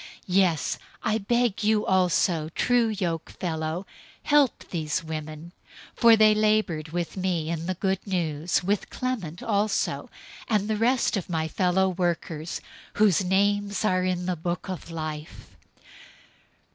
004:003 Yes, I beg you also, true yokefellow, help these women, for they labored with me in the Good News, with Clement also, and the rest of my fellow workers, whose names are in the book of life.